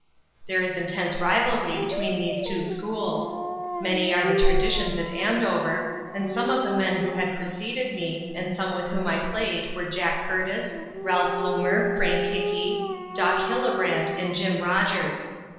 There is intense rivalry between these two schools. Many are the traditions at Andover, and some of the men who had preceded me, and some with whom I played were Jack Curtis, Ralph Bloomer, Frank Hinkey, Doc Hillebrand and Jim Rodgers.